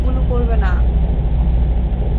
ওগুলো পরবে না।